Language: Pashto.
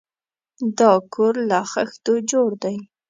دا کور له خښتو جوړ دی.